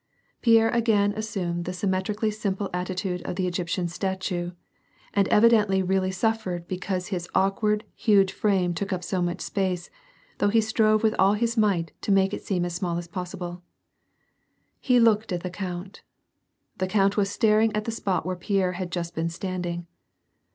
Pierre again assumed the sym metrically simple attitude of the Egyptian statue, and evi dently really suffered because his awkward, huge frame took up so much space, though he strove with all his might to make it seem as small as possible. He looked at the count. The count was staring at the spot where Pierre had just been standing.